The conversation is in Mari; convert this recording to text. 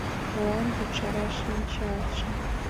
Молан вӱд шара шинчатше